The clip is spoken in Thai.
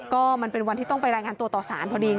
ก็มันเป็นวันที่ต้องไปรายงานตัวต่อสารพอดีไง